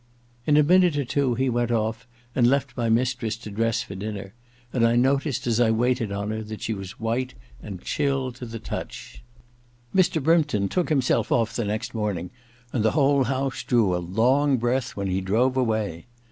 In a minute or two he went off, and left my mistress to dress for dinner, and I noticed as I waited on her that she was white, and chill to the touch. Mr. Brympton took himself off the next morning, and the whole house drew a long breath when he drove away.